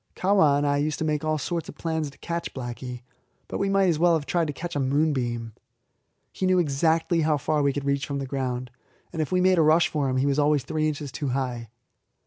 Kahwa and I used to make all sorts of plans to catch Blacky, but we might as well have tried to catch a moonbeam. He knew exactly how far we could reach from the ground, and if we made a rush for him he was always three inches too high.